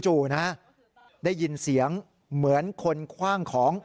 จู่นะได้ยินเสียงเหมือนคนคว่างของ